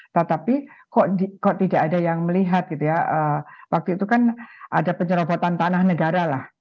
tetapi kok tidak ada yang melihat gitu ya waktu itu kan ada penyerobotan tanah negara lah